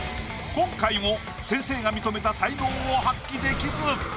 今回も先生が認めた才能を発揮できず。